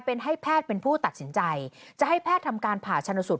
เป็นให้แพทย์เป็นผู้ตัดสินใจจะให้แพทย์ทำการผ่าชนสูตร